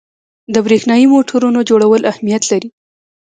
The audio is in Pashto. د برېښنايي موټورونو جوړول اهمیت لري.